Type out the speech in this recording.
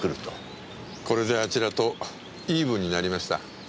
これであちらとイーブンになりました。